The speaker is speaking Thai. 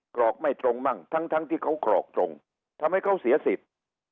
กรอกไม่ตรงมั่งทั้งทั้งที่เขากรอกตรงทำให้เขาเสียสิทธิ์